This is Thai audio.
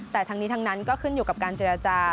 แต่ทั้งนี้ทั้งนั้นก็ขึ้นอยู่กับการเจรจา